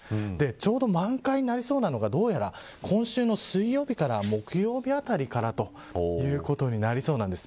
ちょうど満開になりそうなのが今週の水曜日から木曜日あたりかなということになりそうなんです。